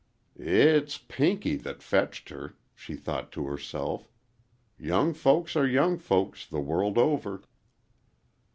"It's Pinky that fetched her," she thought to herself. "Young folks are young folks, the world over."